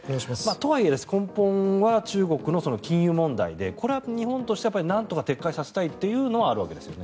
とはいえ、根本は中国の禁輸問題でこれは日本としてはなんとか撤回させたいというのはあるわけですよね。